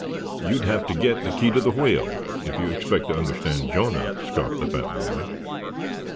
"You'd have to get the key to the whale, if you expect to understand Jonah," scoffed the fat boy.